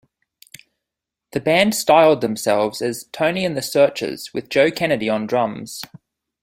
The band styled themselves as 'Tony and the Searchers' with Joe Kennedy on drums.